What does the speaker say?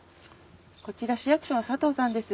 こちら市役所の佐藤さんです。